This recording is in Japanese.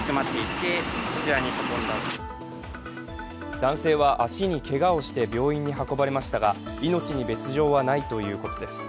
男性は足にけがをして病院に運ばれましたが命に別状はないということです。